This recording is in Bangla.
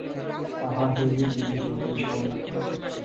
তাহা হইলেই বুঝিব, তুমি সাহসী।